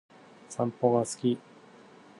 散歩が好き